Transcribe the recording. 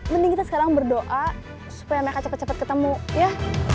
mending kita sekarang berdoa supaya mereka cepet cepet ketemu ya